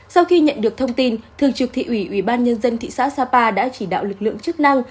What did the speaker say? sau khi nhận được thông tin thường trực thị ủy ủy ban nhân dân thị xã sapa đã chỉ đạo lực lượng chức năng